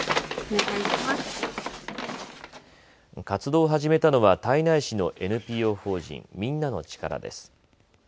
活動を始めたのは胎内市のＮＰＯ法人ミンナのチカラです。